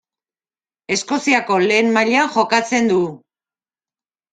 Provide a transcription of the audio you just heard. Eskoziako lehen mailan jokatzen du.